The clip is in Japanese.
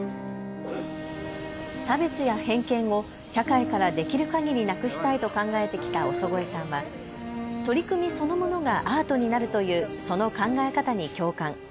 差別や偏見を社会からできるかぎりなくしたいと考えてきた尾曽越さんは取り組みそのものがアートになるというその考え方に共感。